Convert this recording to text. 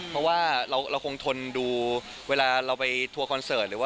เพราะว่าเราคงทนดูเวลาเราไปตัวคอนเสิร์ต